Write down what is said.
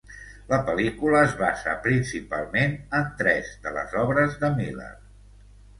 La pel·lícula es basa principalment en tres de les obres de Miller.